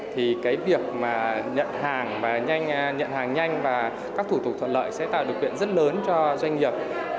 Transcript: thì việc nhận hàng nhanh và các thủ tục thuận lợi sẽ tạo được quyện rất lớn cho doanh nghiệp